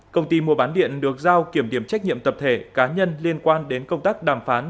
công ty mua bán điện được giao kiểm điểm trách nhiệm tập thể cá nhân liên quan đến công tác đàm phán